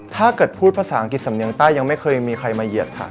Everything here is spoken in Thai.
ถ้าเกิดพูดภาษาอังกฤษสำเนียงใต้ยังไม่เคยมีใครมาเหยียดค่ะ